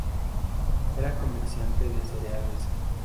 Era comerciante de cereales.